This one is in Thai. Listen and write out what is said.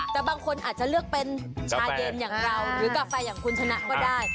แต่บางคนอาจจะเลือกเป็นชาเย็นอย่างเราหรือกาแฟอย่างคุณชนะก็ได้